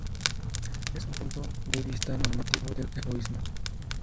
Es un punto de vista normativo del egoísmo.